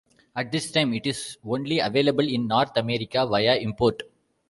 At this time it is only available in North America via import.